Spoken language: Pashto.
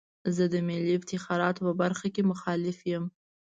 زه د ملي افتخاراتو په برخه کې مخالف یم.